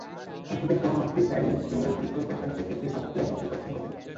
উদ্ভিদের কোন অংশে জাইলেন ফ্লোয়েম পৃথক ব্যাসার্ধে থেকে ভাস্কুলার বান্ডল গঠন করে?